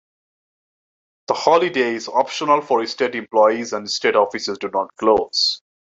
The holiday is optional for state employees and state offices do not close.